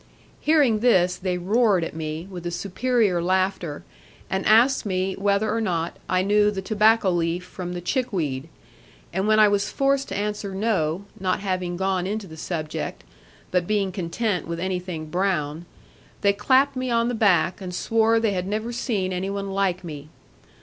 Hearing this, they roared at me, with a superior laughter, and asked me, whether or not, I knew the tobacco leaf from the chick weed; and when I was forced to answer no, not having gone into the subject, but being content with anything brown, they clapped me on the back and swore they had never seen any one like me.